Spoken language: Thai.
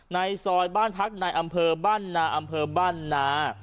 ในซอยบ้านพักในอำเภอบ้านนาอำเภอบ้านนา